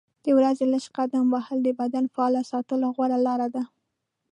د ورځې لږ قدم وهل د بدن فعال ساتلو غوره لاره ده.